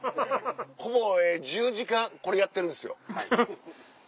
ほぼ１０時間これやってるんですよ。